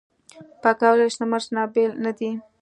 پکورې له شنه مرچ نه بېل نه دي